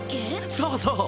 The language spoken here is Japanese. そうそう。